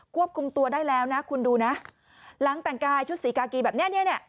ควบคุมตัวได้แล้วนะคุณดูนะหลังแต่งกายชุดสีกากีแบบเนี้ยเนี้ย